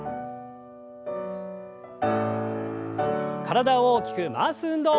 体を大きく回す運動。